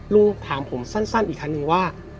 ลูกถามผมสั้นอีกครั้งหนึ่งว่า